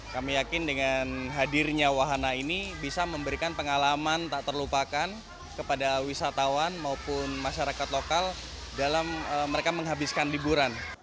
kami yakin dengan hadirnya wahana ini bisa memberikan pengalaman tak terlupakan kepada wisatawan maupun masyarakat lokal dalam mereka menghabiskan liburan